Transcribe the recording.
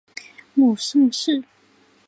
母盛氏。